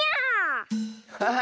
ハハハ！